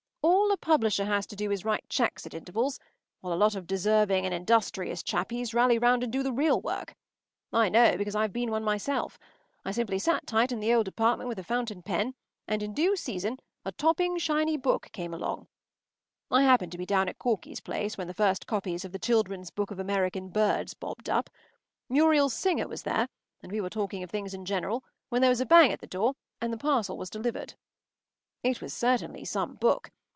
All a publisher has to do is to write cheques at intervals, while a lot of deserving and industrious chappies rally round and do the real work. I know, because I’ve been one myself. I simply sat tight in the old apartment with a fountain pen, and in due season a topping, shiny book came along. I happened to be down at Corky’s place when the first copies of The Children’s Book of American Birds bobbed up. Muriel Singer was there, and we were talking of things in general when there was a bang at the door and the parcel was delivered. It was certainly some book.